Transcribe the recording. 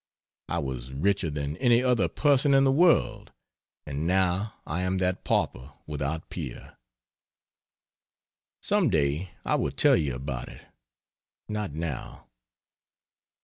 I was richer than any other person in the world, and now I am that pauper without peer. Some day I will tell you about it, not now.